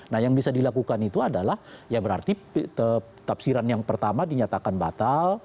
nah yang bisa dilakukan itu adalah ya berarti tafsiran yang pertama dinyatakan batal